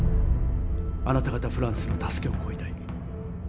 あなた方フランスの助けを請いたい。